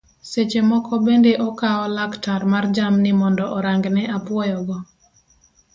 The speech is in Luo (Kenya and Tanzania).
Seche moko bende okawo laktar mar jamni mondo orang'ne apuoyo go